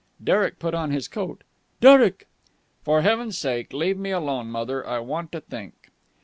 Derek put on his coat. "Derek!" "For heaven's sake, leave me alone, mother. I want to think."